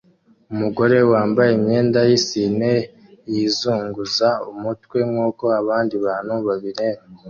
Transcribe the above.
Umugore wambaye imyenda yisine yizunguza umutwe nkuko abandi bantu babireba